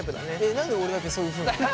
何で俺だけそういうふうに言うの？